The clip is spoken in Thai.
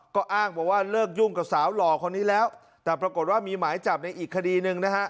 ก็อ้างบอกว่าเลิกยุ่งกับสาวหล่อคนนี้แล้วแต่ปรากฏว่ามีหมายจับในอีกคดีหนึ่งนะฮะ